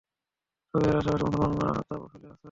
তবে এর আশে পাশেই মুসলমানরা তাঁবু ফেলে আছে।